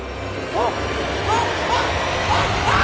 あっ！